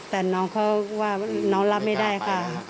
แต่น้องเขาว่าน้องรับไม่ได้ค่ะ